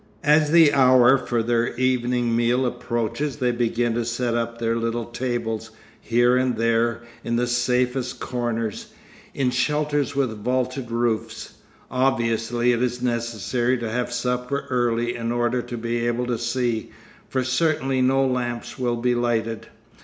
As the hour for their evening meal approaches they begin to set up their little tables, here and there, in the safest corners, in shelters with vaulted roofs. Obviously it is necessary to have supper early in order to be able to see, for certainly no lamps will be lighted.